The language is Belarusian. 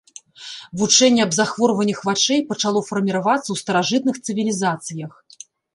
Вучэнне аб захворваннях вачэй пачало фарміравацца ў старажытных цывілізацыях.